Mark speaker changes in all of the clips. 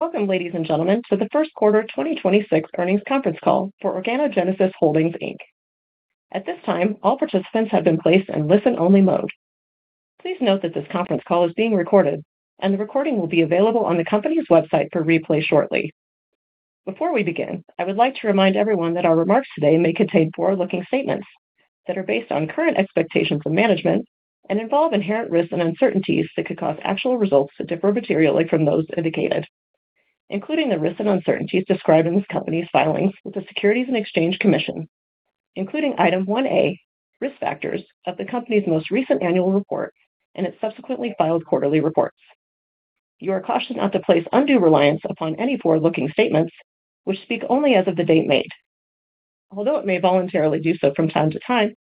Speaker 1: Welcome, ladies and gentlemen, to the First Quarter 2026 Earnings Conference Call for Organogenesis Holdings Inc. At this time, all participants have been placed in listen-only mode. Please note that this conference call is being recorded, and the recording will be available on the company's website for replay shortly. Before we begin, I would like to remind everyone that our remarks today may contain forward-looking statements that are based on current expectations from management and involve inherent risks and uncertainties that could cause actual results to differ materially from those indicated, including the risks and uncertainties described in this company's filings with the Securities and Exchange Commission, including Item A, Risk Factors, of the company's most recent annual report and its subsequently filed quarterly reports. You are cautioned not to place undue reliance upon any forward-looking statements which speak only as of the date made. Although it may voluntarily do so from time to time,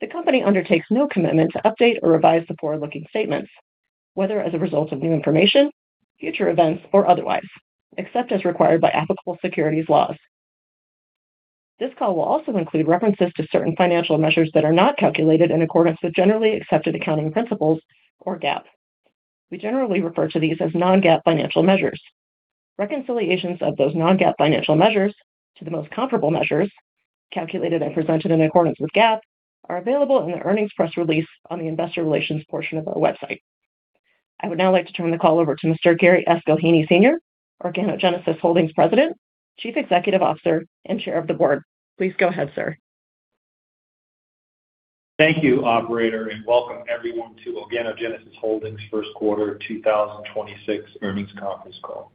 Speaker 1: the company undertakes no commitment to update or revise the forward-looking statements, whether as a result of new information, future events, or otherwise, except as required by applicable securities laws. This call will also include references to certain financial measures that are not calculated in accordance with Generally Accepted Accounting Principles, or GAAP. We generally refer to these as non-GAAP financial measures. Reconciliations of those non-GAAP financial measures to the most comparable measures, calculated and presented in accordance with GAAP, are available in the earnings press release on the investor relations portion of our website. I would now like to turn the call over to Mr. Gary S. Gillheeney Sr., Organogenesis Holdings President, Chief Executive Officer, and Chair of the Board. Please go ahead, sir.
Speaker 2: Thank you, operator, and welcome everyone to Organogenesis Holdings' first quarter 2026 earnings conference call.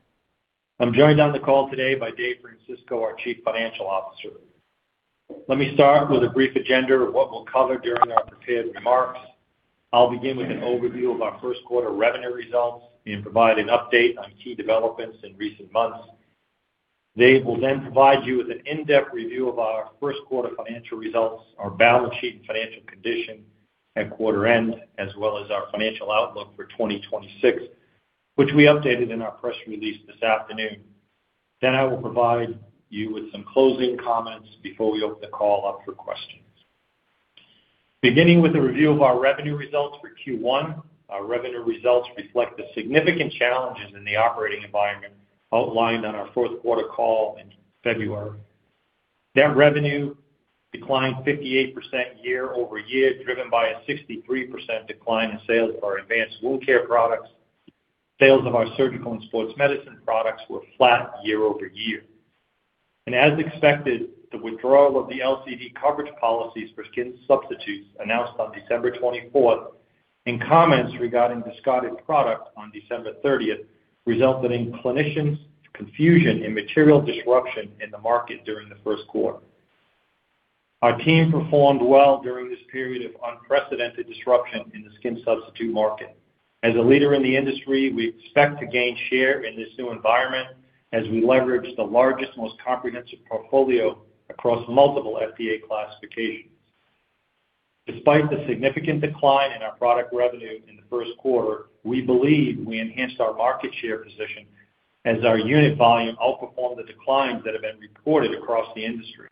Speaker 2: I'm joined on the call today by Dave Francisco, our Chief Financial Officer. Let me start with a brief agenda of what we'll cover during our prepared remarks. I'll begin with an overview of our first quarter revenue results and provide an update on key developments in recent months. Dave will provide you with an in-depth review of our first quarter financial results, our balance sheet and financial condition at quarter end, as well as our financial outlook for 2026, which we updated in our press release this afternoon. I will provide you with some closing comments before we open the call up for questions. Beginning with a review of our revenue results for Q1, our revenue results reflect the significant challenges in the operating environment outlined on our fourth quarter call in February. Net revenue declined 58% year-over-year, driven by a 63% decline in sales of our advanced wound care products. Sales of our surgical and sports medicine products were flat year-over-year. As expected, the withdrawal of the LCD coverage policies for skin substitutes announced on December 24th, and comments regarding discarded product on December 30th, resulted in clinicians' confusion and material disruption in the market during the first quarter. Our team performed well during this period of unprecedented disruption in the skin substitute market. As a leader in the industry, we expect to gain share in this new environment as we leverage the largest, most comprehensive portfolio across multiple FDA classifications. Despite the significant decline in our product revenue in the first quarter, we believe we enhanced our market share position as our unit volume outperformed the declines that have been reported across the industry.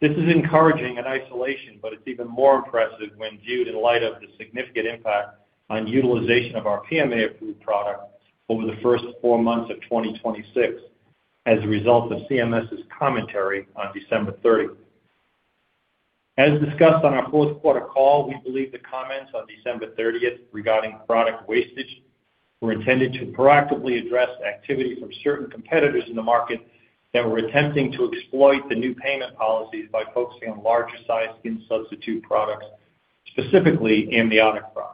Speaker 2: This is encouraging in isolation, but it's even more impressive when viewed in light of the significant impact on utilization of our PMA-approved products over the first four months of 2026 as a result of CMS's commentary on December 30. As discussed on our fourth quarter call, we believe the comments on December 30th regarding product wastage were intended to proactively address activity from certain competitors in the market that were attempting to exploit the new payment policies by focusing on larger sized skin substitute products, specifically amniotic products.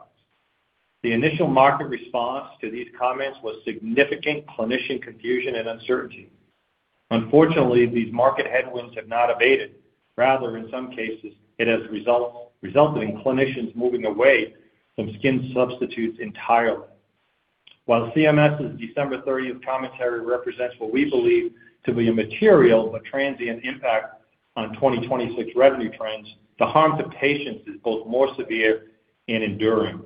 Speaker 2: The initial market response to these comments was significant clinician confusion and uncertainty. Unfortunately, these market headwinds have not abated. In some cases, it has resulted in clinicians moving away from skin substitutes entirely. While CMS's December 30th commentary represents what we believe to be a material but transient impact on 2026 revenue trends, the harm to patients is both more severe and enduring.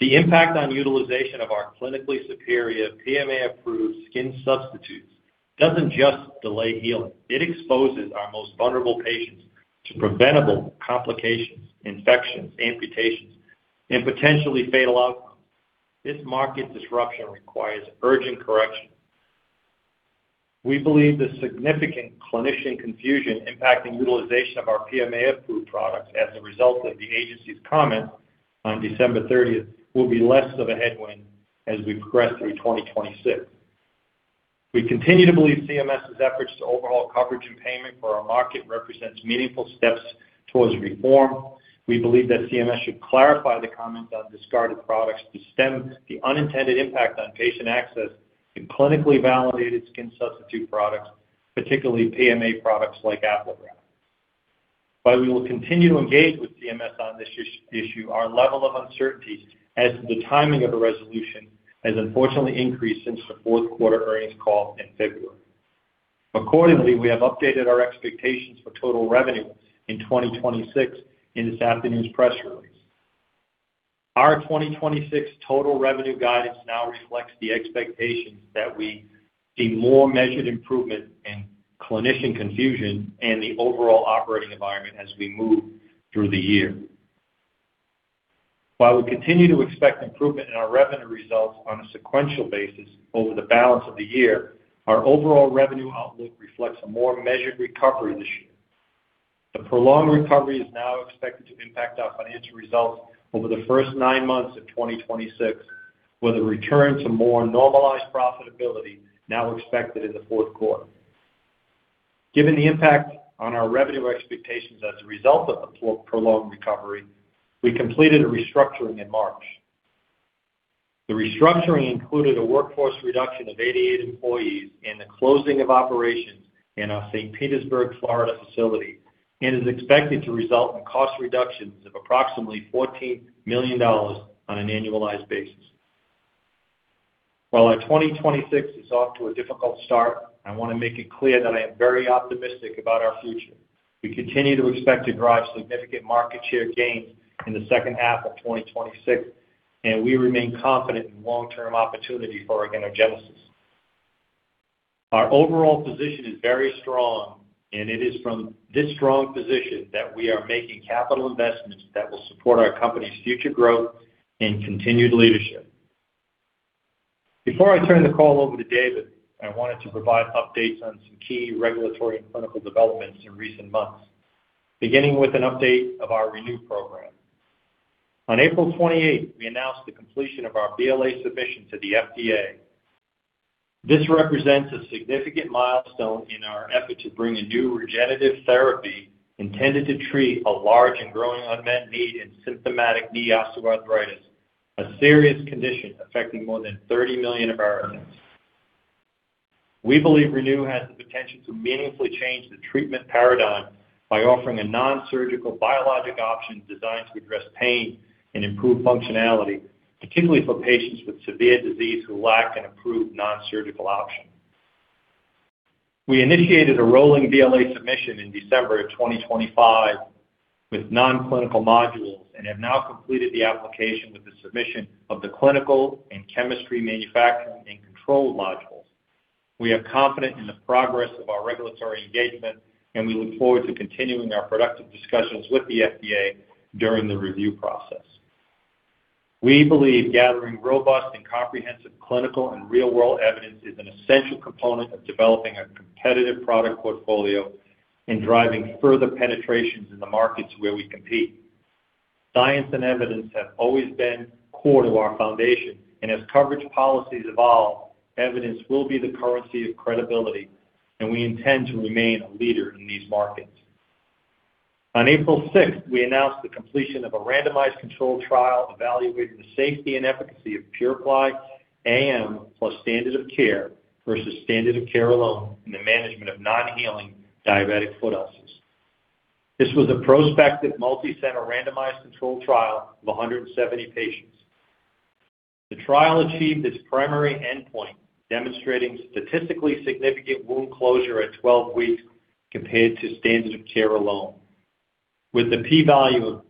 Speaker 2: The impact on utilization of our clinically superior PMA-approved skin substitutes doesn't just delay healing. It exposes our most vulnerable patients to preventable complications, infections, amputations, and potentially fatal outcomes. This market disruption requires urgent correction. We believe the significant clinician confusion impacting utilization of our PMA-approved products as a result of the agency's comments on December 30th will be less of a headwind as we progress through 2026. We continue to believe CMS's efforts to overhaul coverage and payment for our market represents meaningful steps towards reform. We believe that CMS should clarify the comments on discarded products to stem the unintended impact on patient access in clinically validated skin substitute products, particularly PMA products like Apligraf. While we will continue to engage with CMS on this issue, our level of uncertainty as to the timing of a resolution has unfortunately increased since the fourth quarter earnings call in February. Accordingly, we have updated our expectations for total revenue in 2026 in this afternoon's press release. Our 2026 total revenue guidance now reflects the expectations that we see more measured improvement in clinician confusion and the overall operating environment as we move through the year. While we continue to expect improvement in our revenue results on a sequential basis over the balance of the year, our overall revenue outlook reflects a more measured recovery this year. The prolonged recovery is now expected to impact our financial results over the first nine months of 2026, with a return to more normalized profitability now expected in the fourth quarter. Given the impact on our revenue expectations as a result of the prolonged recovery, we completed a restructuring in March. The restructuring included a workforce reduction of 88 employees and the closing of operations in our St. Petersburg, Florida facility, and is expected to result in cost reductions of approximately $14 million on an annualized basis. While our 2026 is off to a difficult start, I want to make it clear that I am very optimistic about our future. We continue to expect to drive significant market share gains in the second half of 2026, and we remain confident in long-term opportunity for Organogenesis. Our overall position is very strong, and it is from this strong position that we are making capital investments that will support our company's future growth and continued leadership. Before I turn the call over to David, I wanted to provide updates on some key regulatory and clinical developments in recent months, beginning with an update of our ReNu program. On April 28, we announced the completion of our BLA submission to the FDA. This represents a significant milestone in our effort to bring a new regenerative therapy intended to treat a large and growing unmet need in symptomatic knee osteoarthritis, a serious condition affecting more than 30 million Americans. We believe ReNu has the potential to meaningfully change the treatment paradigm by offering a nonsurgical biologic option designed to address pain and improve functionality, particularly for patients with severe disease who lack an approved nonsurgical option. We initiated a rolling BLA submission in December of 2025 with nonclinical modules and have now completed the application with the submission of the clinical and chemistry manufacturing and control modules. We are confident in the progress of our regulatory engagement, and we look forward to continuing our productive discussions with the FDA during the review process. We believe gathering robust and comprehensive clinical and real-world evidence is an essential component of developing a competitive product portfolio and driving further penetrations in the markets where we compete. Science and evidence have always been core to our foundation, and as coverage policies evolve, evidence will be the currency of credibility, and we intend to remain a leader in these markets. On April 6th, we announced the completion of a randomized controlled trial evaluating the safety and efficacy of PuraPly AM plus standard of care versus standard of care alone in the management of non-healing diabetic foot ulcers. This was a prospective multicenter randomized controlled trial of 170 patients. The trial achieved its primary endpoint, demonstrating statistically significant wound closure at 12 weeks compared to standard of care alone, with the p-value of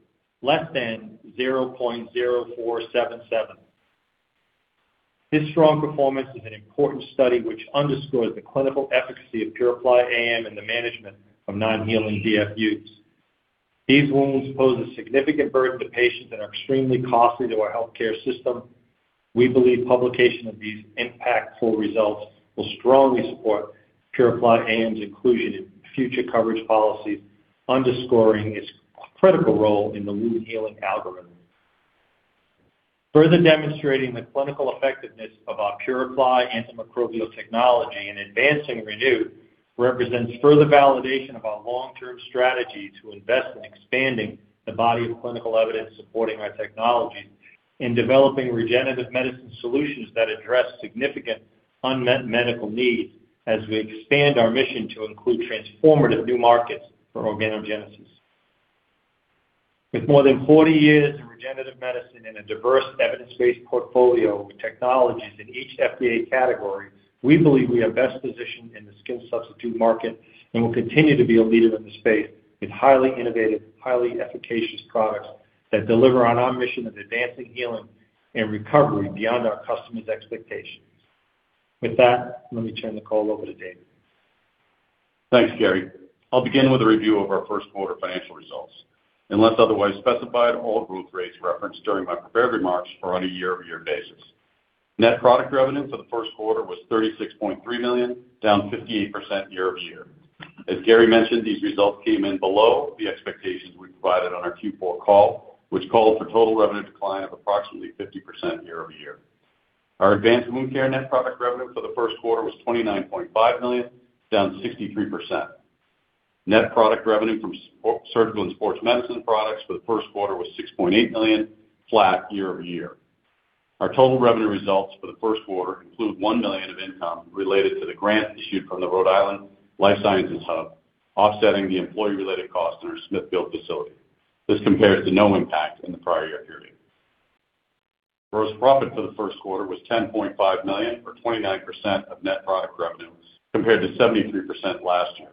Speaker 2: less than 0.0477. This strong performance is an important study which underscores the clinical efficacy of PuraPly AM in the management of non-healing DFUs. These wounds pose a significant burden to patients and are extremely costly to our healthcare system. We believe publication of these impactful results will strongly support PuraPly AM's inclusion in future coverage policies, underscoring its critical role in the wound healing algorithm. Further demonstrating the clinical effectiveness of our PuraPly AM antimicrobial technology and advancing ReNu represents further validation of our long-term strategy to invest in expanding the body of clinical evidence supporting our technologies in developing regenerative medicine solutions that address significant unmet medical needs as we expand our mission to include transformative new markets for Organogenesis. With more than 40 years in regenerative medicine and a diverse evidence-based portfolio with technologies in each FDA category, we believe we are best positioned in the skin substitute market and will continue to be a leader in the space with highly innovative, highly efficacious products that deliver on our mission of advancing healing and recovery beyond our customers' expectations. With that, let me turn the call over to David.
Speaker 3: Thanks, Gary. I'll begin with a review of our first quarter financial results. Unless otherwise specified, all growth rates referenced during my prepared remarks are on a year-over-year basis. Net product revenue for the first quarter was $36.3 million, down 58% year-over-year. As Gary mentioned, these results came in below the expectations we provided on our Q4 call, which called for total revenue decline of approximately 50% year-over-year. Our advanced wound care net product revenue for the first quarter was $29.5 million, down 63%. Net product revenue from surgical and sports medicine products for the first quarter was $6.8 million, flat year-over-year. Our total revenue results for the first quarter include $1 million of income related to the grant issued from the Rhode Island Life Science Hub, offsetting the employee-related costs in our Smithfield facility. This compares to no impact in the prior year period. Gross profit for the first quarter was $10.5 million, or 29% of net product revenue, compared to 73% last year.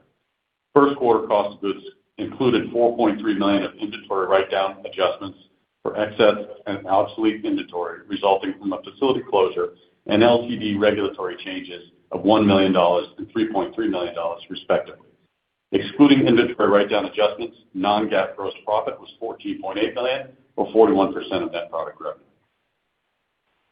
Speaker 3: First quarter cost of goods included $4.3 million of inventory write-down adjustments for excess and obsolete inventory resulting from a facility closure and LCD regulatory changes of $1 million and $3.3 million, respectively. Excluding inventory write-down adjustments, non-GAAP gross profit was $14.8 million, or 41% of net product revenue.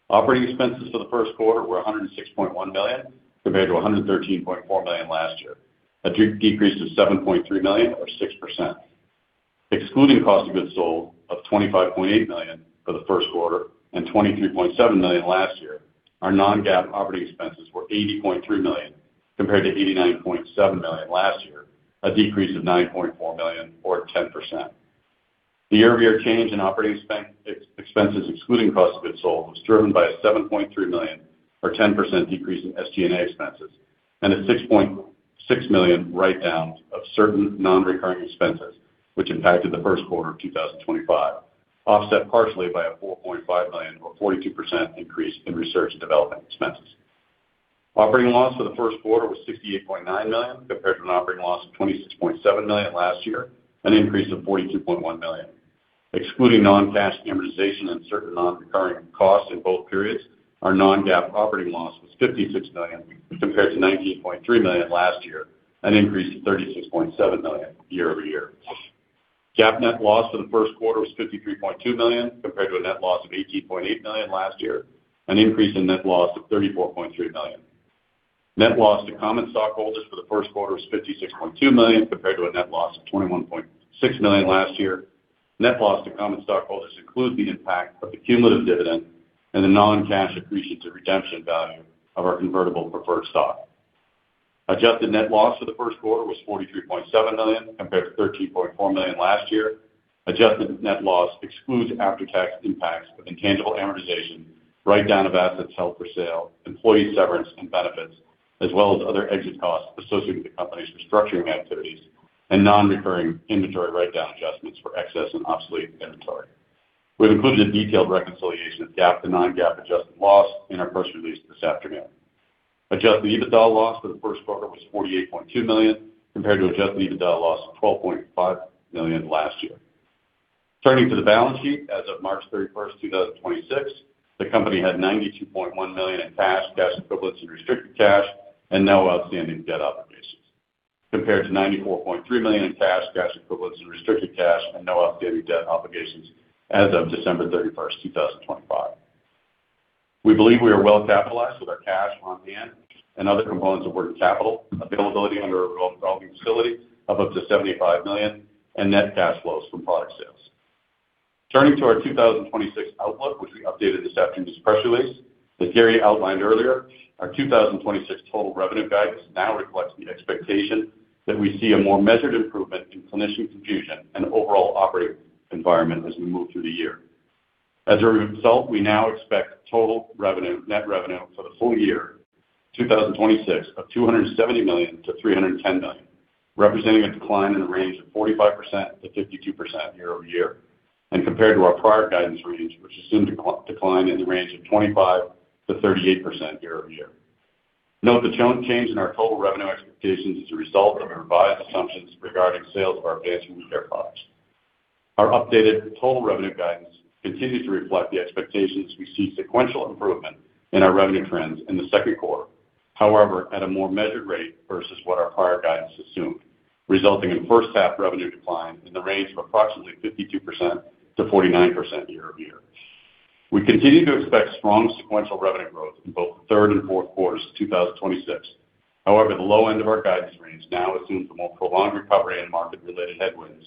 Speaker 3: Operating expenses for the first quarter were $106.1 million compared to $113.4 million last year, a decrease of $7.3 million or 6%. Excluding cost of goods sold of $25.8 million for the first quarter and $23.7 million last year, our non-GAAP operating expenses were $80.3 million compared to $89.7 million last year, a decrease of $9.4 million or 10%. The year-over-year change in operating expenses excluding cost of goods sold was driven by a $7.3 million or 10% decrease in SG&A expenses and a $6.6 million write-down of certain non-recurring expenses which impacted the first quarter of 2025, offset partially by a $4.5 million or 42% increase in research and development expenses. Operating loss for the first quarter was $68.9 million compared to an operating loss of $26.7 million last year, an increase of $42.1 million. Excluding non-cash amortization and certain non-recurring costs in both periods, our non-GAAP operating loss was $56 million compared to $19.3 million last year, an increase of $36.7 million year-over-year. GAAP net loss for the first quarter was $53.2 million compared to a net loss of $18.8 million last year, an increase in net loss of $34.3 million. Net loss to common stockholders for the first quarter was $56.2 million compared to a net loss of $21.6 million last year. Net loss to common stockholders includes the impact of the cumulative dividend and the non-cash appreciation to redemption value of our convertible preferred stock. Adjusted net loss for the first quarter was $43.7 million compared to $13.4 million last year. Adjusted net loss excludes after-tax impacts of intangible amortization, write-down of assets held for sale, employee severance and benefits, as well as other exit costs associated with the company's restructuring activities and non-recurring inventory write-down adjustments for excess and obsolete inventory. We've included a detailed reconciliation of GAAP to non-GAAP adjusted loss in our press release this afternoon. Adjusted EBITDA loss for the first quarter was $48.2 million compared to adjusted EBITDA loss of $12.5 million last year. Turning to the balance sheet as of March 31st, 2026, the company had $92.1 million in cash equivalents, and restricted cash, and no outstanding debt obligations, compared to $94.3 million in cash equivalents, and restricted cash, and no outstanding debt obligations as of December 31st, 2025. We believe we are well capitalized with our cash on hand and other components of working capital availability under a revolving facility of up to $75 million and net cash flows from product sales. Turning to our 2026 outlook, which we updated this afternoon's press release. As Gary outlined earlier, our 2026 total revenue guidance now reflects the expectation that we see a more measured improvement in clinician confusion and overall operating environment as we move through the year. As a result, we now expect total net revenue for the full year 2026 of $270 million-$310 million, representing a decline in the range of 45%-52% year-over-year, compared to our prior guidance range, which assumed a decline in the range of 25%-38% year-over-year. Note the tone change in our total revenue expectations is a result of our revised assumptions regarding sales of our advanced wound care products. Our updated total revenue guidance continues to reflect the expectations we see sequential improvement in our revenue trends in the second quarter, however, at a more measured rate versus what our prior guidance assumed, resulting in first half revenue decline in the range of approximately 52%-49% year-over-year. We continue to expect strong sequential revenue growth in both the third and fourth quarters of 2026. The low end of our guidance range now assumes a more prolonged recovery and market-related headwinds,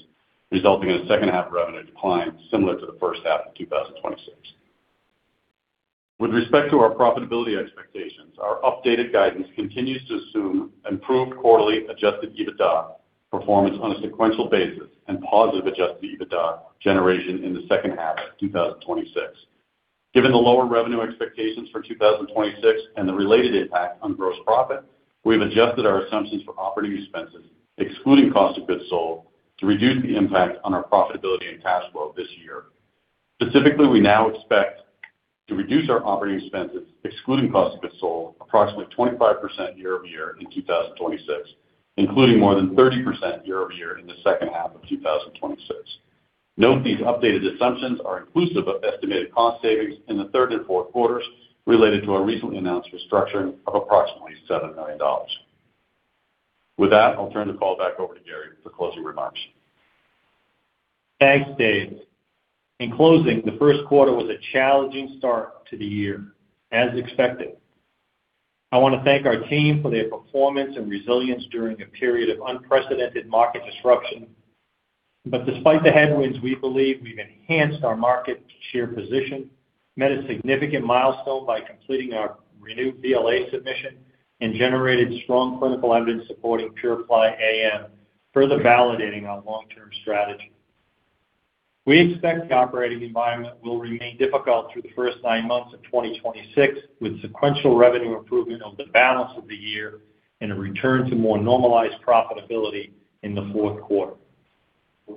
Speaker 3: resulting in a second half revenue decline similar to the first half of 2026. With respect to our profitability expectations, our updated guidance continues to assume improved quarterly adjusted EBITDA performance on a sequential basis and positive adjusted EBITDA generation in the second half of 2026. Given the lower revenue expectations for 2026 and the related impact on gross profit, we've adjusted our assumptions for operating expenses, excluding cost of goods sold, to reduce the impact on our profitability and cash flow this year. Specifically, we now expect to reduce our operating expenses, excluding cost of goods sold, approximately 25% year-over-year in 2026, including more than 30% year-over-year in the second half of 2026. Note these updated assumptions are inclusive of estimated cost savings in the third and fourth quarters related to our recently announced restructuring of approximately $7 million. With that, I'll turn the call back over to Gary for closing remarks.
Speaker 2: Thanks, Dave. In closing, the first quarter was a challenging start to the year, as expected. I want to thank our team for their performance and resilience during a period of unprecedented market disruption. Despite the headwinds, we believe we've enhanced our market share position, met a significant milestone by completing our renewed BLA submission, and generated strong clinical evidence supporting PuraPly AM, further validating our long-term strategy. We expect the operating environment will remain difficult through the first nine months of 2026, with sequential revenue improvement over the balance of the year and a return to more normalized profitability in the fourth quarter.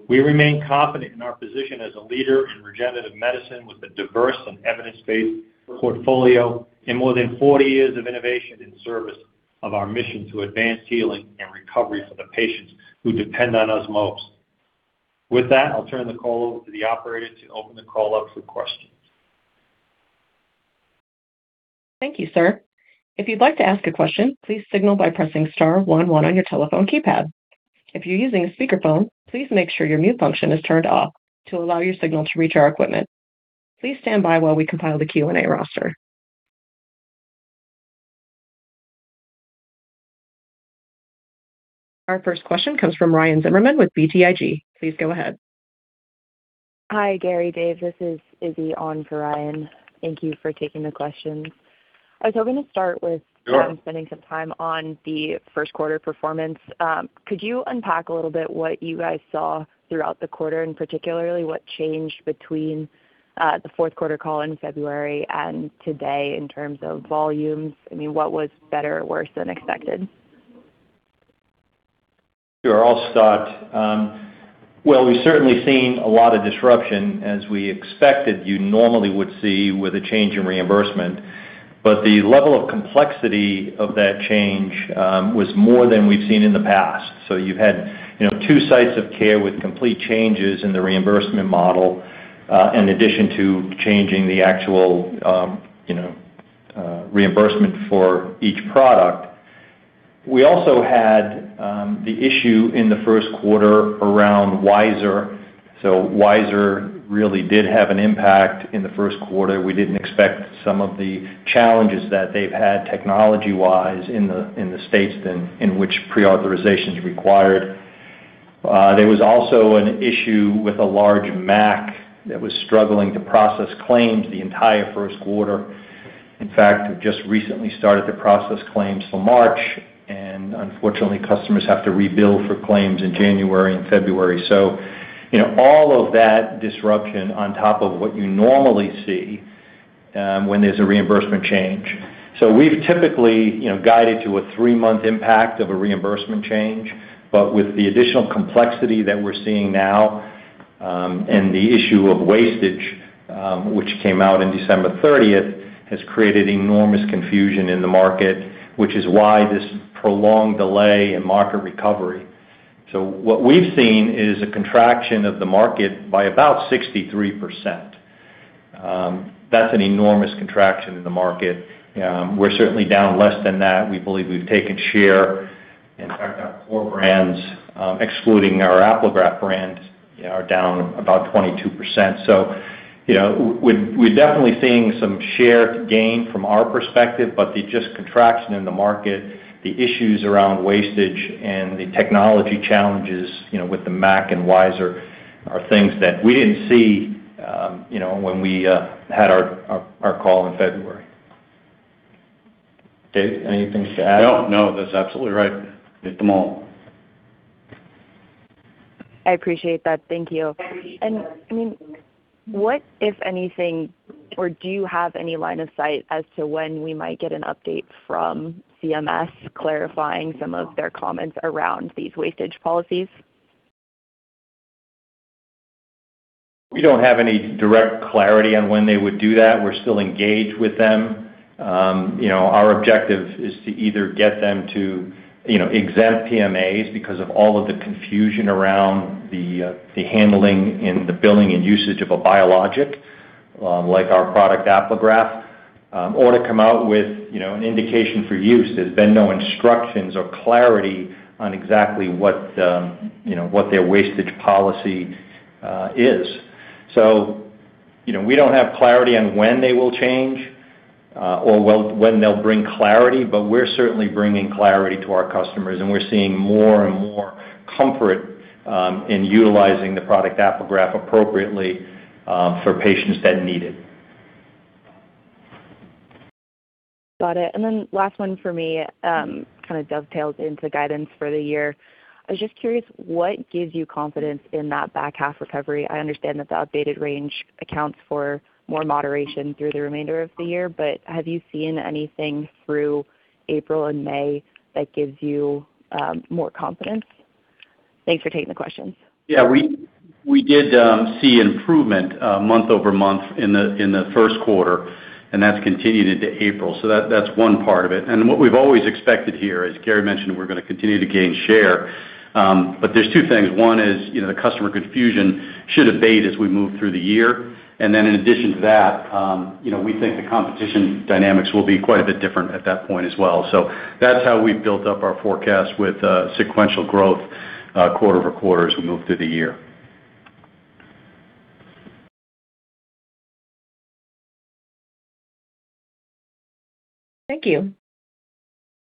Speaker 2: We remain confident in our position as a leader in regenerative medicine with a diverse and evidence-based portfolio and more than 40 years of innovation in service of our mission to advance healing and recovery for the patients who depend on us most. With that, I'll turn the call over to the operator to open the call up for questions.
Speaker 1: Our first question comes from Ryan Zimmerman with BTIG. Please go ahead.
Speaker 4: Hi, Gary, Dave, this is [Izzy] on for Ryan. Thank you for taking the questions.
Speaker 2: Sure.
Speaker 4: Spending some time on the first quarter performance. could you unpack a little bit what you guys saw throughout the quarter, and particularly what changed between the fourth quarter call in February and today in terms of volumes? I mean, what was better or worse than expected?
Speaker 2: Sure. I'll start. We've certainly seen a lot of disruption as we expected you normally would see with a change in reimbursement. The level of complexity of that change was more than we've seen in the past. You had two sites of care with complete changes in the reimbursement model, in addition to changing the actual reimbursement for each product. We also had the issue in the first quarter around WISeR. WISeR really did have an impact in the first quarter. We didn't expect some of the challenges that they've had technology-wise in the states then in which pre-authorization is required. There was also an issue with a large MAC that was struggling to process claims the entire first quarter. In fact, it just recently started to process claims for March. Unfortunately, customers have to rebuild for claims in January and February. You know, all of that disruption on top of what you normally see when there's a reimbursement change. We've typically, you know, guided to a three-month impact of a reimbursement change. With the additional complexity that we're seeing now, and the issue of wastage, which came out in December 30th, has created enormous confusion in the market, which is why this prolonged delay in market recovery. What we've seen is a contraction of the market by about 63%. That's an enormous contraction in the market. We're certainly down less than that. We believe we've taken share. In fact, our core brands, excluding our Apligraf brand, are down about 22%. You know, we're definitely seeing some share gain from our perspective, but the just contraction in the market, the issues around wastage and the technology challenges, you know, with the MAC and WISeR are things that we didn't see, you know, when we had our call in February. Dave, anything to add?
Speaker 3: No, no. That's absolutely right. Hit them all.
Speaker 4: I appreciate that. Thank you. I mean, what, if anything, or do you have any line of sight as to when we might get an update from CMS clarifying some of their comments around these wastage policies?
Speaker 2: We don't have any direct clarity on when they would do that. We're still engaged with them. You know, our objective is to either get them to, you know, exempt PMAs because of all of the confusion around the handling and the billing and usage of a biologic, like our product Apligraf, or to come out with, you know, an indication for use. There's been no instructions or clarity on exactly what, you know, what their wastage policy is. You know, we don't have clarity on when they will change or when they'll bring clarity, but we're certainly bringing clarity to our customers, and we're seeing more and more comfort in utilizing the product Apligraf appropriately for patients that need it.
Speaker 4: Got it. Last one for me, kind of dovetails into guidance for the year. I was just curious, what gives you confidence in that back half recovery? I understand that the updated range accounts for more moderation through the remainder of the year, but have you seen anything through April and May that gives you more confidence? Thanks for taking the questions.
Speaker 3: Yeah, we did see improvement month-over-month in the first quarter, and that's continued into April. That, that's one part of it. What we've always expected here, as Gary mentioned, we're gonna continue to gain share. There's two things. One is, you know, the customer confusion should abate as we move through the year. In addition to that, you know, we think the competition dynamics will be quite a bit different at that point as well. That's how we've built up our forecast with sequential growth quarter-over-quarter as we move through the year.
Speaker 1: Thank you.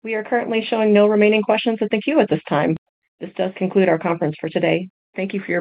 Speaker 1: We are currently showing no remaining questions in the queue at this time. This does conclude our conference for today. Thank you for your patience.